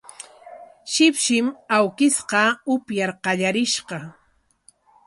Shipshim awkishqa upyar qallarishqa